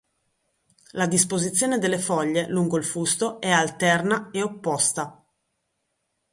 La disposizione delle foglie lungo il fusto è alterna e opposta.